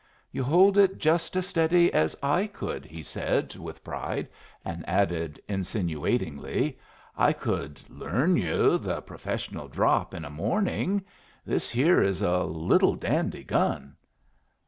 "You hold it just as steady as I could," he said with pride, and added, insinuatingly, "I could learn yu' the professional drop in a morning. This here is a little dandy gun."